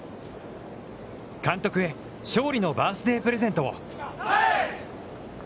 監督へ勝利のバースデープレゼントを。